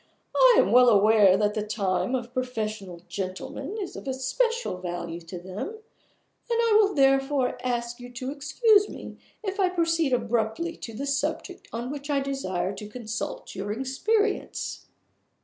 "I am well aware that the time of professional gentlemen is of especial value to them; and I will therefore ask you to excuse me if I proceed abruptly to the subject on which I desire to consult your experience."